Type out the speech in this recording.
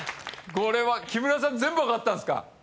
これは木村さん全部分かったんですか？